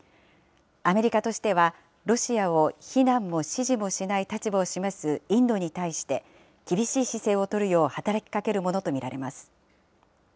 アメリカとしては、ロシアを非難も支持もしない立場を示すインドに対して、厳しい姿勢を取るよう働きかけるものと見られます。